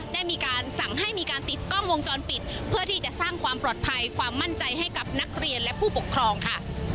ได้มีการสั่งให้มีการติดกล้องวงจรปิดเพื่อที่จะสร้างความปลอดภัยความมั่นใจให้กับนักเรียนและผู้ปกครองค่ะ